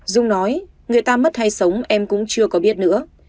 dung nói người ta mất hay sống em cũng chưa có biết nữa